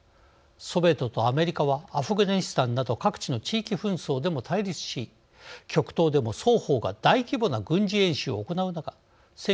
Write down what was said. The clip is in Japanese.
ソビエトとアメリカはアフガニスタンなど各地の地域紛争でも対立し極東でも双方が大規模な軍事演習を行う中